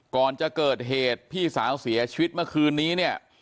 ก่อนจะเกิดเหตุพี่สาวเสียชีวิตเมื่อคืนนี้เนี่ย